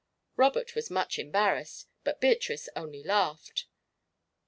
Robert was much embarrassed, but Beatrice only laughed.